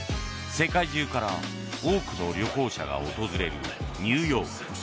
世界中から多くの旅行者が訪れるニューヨーク。